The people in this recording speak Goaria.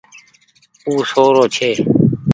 او سو رو ڇي۔